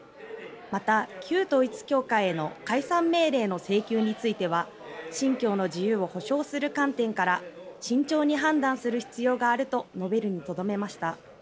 また、旧統一教会への解散命令の請求については信教の自由を保障する観点から慎重に判断する必要があると述べるにとどめました。